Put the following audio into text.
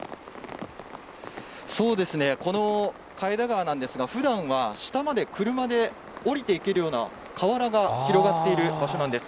そうですね、この加江田川なんですが、ふだんは下まで車で下りていけるような河原が広がっている場所なんです。